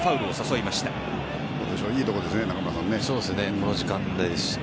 いいところですね。